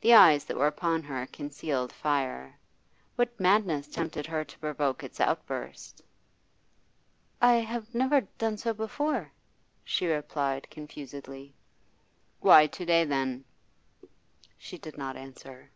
The eyes that were upon her concealed fire; what madness tempted her to provoke its outburst? 'I have never done so before,' she replied confusedly. 'Why to day, then?' She did not answer.